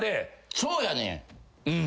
そうやねん。